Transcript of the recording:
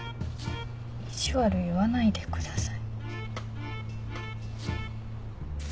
意地悪言わないでください。